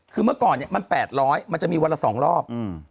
คือเมื่อก่อนเนี่ยมัน๘๐๐มันจะมีวันละ๒รอบ